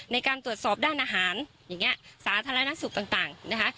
ในการตรวจสอบด้านอาหารสาธารณสุขต่าง